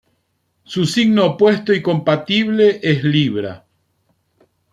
Su signo opuesto y compatible es Libra.